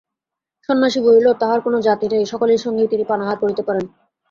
সন্ন্যাসী বলিয়া তাঁহার কোন জাতি নাই, সকলের সঙ্গেই তিনি পানাহার করিতে পারেন।